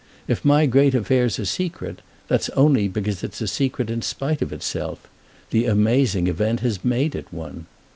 If my great affair's a secret, that's only because it's a secret in spite of itself—the amazing event has made it one.